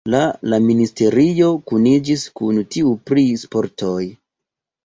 La la ministerio kuniĝis kun tiu pri sportoj.